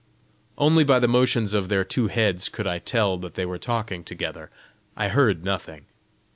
Only by the motions of their two heads could I tell that they were talking together; I heard nothing.